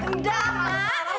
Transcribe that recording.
ini kasih pak cik